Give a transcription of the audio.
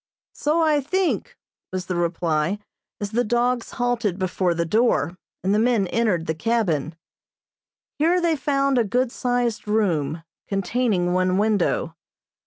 "So I think," was the reply, as the dogs halted before the door, and the men entered the cabin. Here they found a good sized room, containing one window.